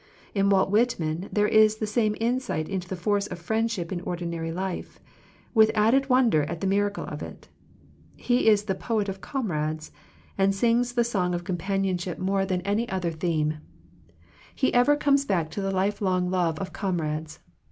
In Walt Whitman there is the same in* sight into the force of friendship in ordi nary life, with added wonder at the miracle of it. He is the poet of com rades, and sings the song of companion 26 Digitized by VjOOQIC THE MIRACLE OF FRIENDSHIP ship more than any other theme. He ever comes back to the lifelong love of comrades.